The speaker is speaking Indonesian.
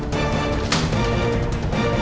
kamu menghina istriku